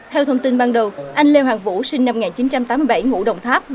theo thông tin ban đầu anh lê hoàng vũ sinh năm một nghìn chín trăm tám mươi bảy ngụ đồng tháp